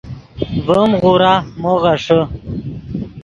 ڤیم غورا مو غیݰے